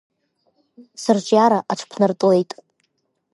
Сырҿиара аҽԥнартлеит.